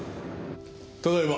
ただいま。